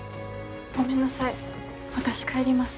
ごめんなさい私帰ります。